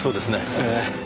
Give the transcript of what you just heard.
ええ。